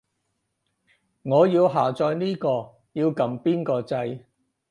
我要下載呢個，要撳邊個掣